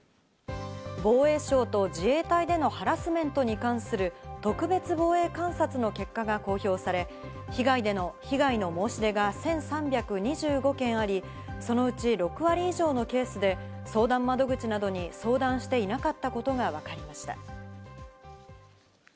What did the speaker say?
防衛省と自衛隊でのハラスメントに関する特別防衛監察の結果が公表され、被害の申し出が１３２５件あり、そのうち６割以上のケースで相談窓口などに相談していなかったことがわかりました。